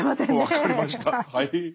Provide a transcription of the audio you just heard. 分かりましたはい。